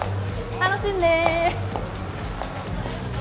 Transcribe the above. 楽しんで。